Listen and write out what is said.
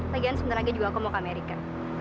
lagian sebentar lagi juga aku mau ke amerika